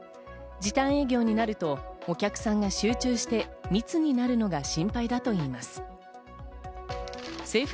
時短営業になると、お客さんが集中して密になるのが心配だといいます。